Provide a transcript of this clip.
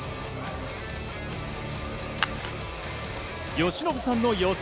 由伸さんの予想